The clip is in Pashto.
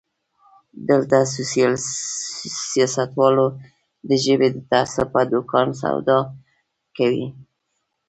دلته سياستوال د ژبې د تعصب په دوکان سودا کوي.